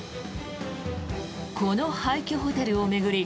この廃虚ホテルを巡り